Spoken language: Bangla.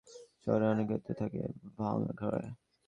শহরে অনেকেই তো থাকে, ভাঙা ঘরে।